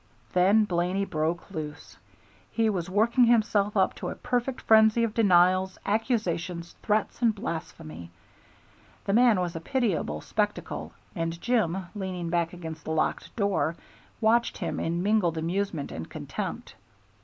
Then Blaney broke loose. He was working himself up to a perfect frenzy of denials, accusations, threats, and blasphemy. The man was a pitiable spectacle, and Jim, leaning back against the locked door, watched him in mingled amusement and contempt.